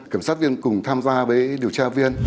kiểm sát viên cùng tham gia với điều tra viên